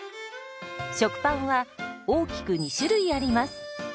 食パンは大きく２種類あります。